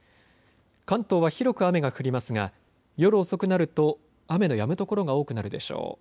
関東は広く雨が降りますが夜遅くなると雨のやむ所が多くなるでしょう。